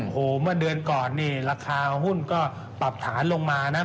โอ้โหเมื่อเดือนก่อนนี่ราคาหุ้นก็ปรับฐานลงมานะ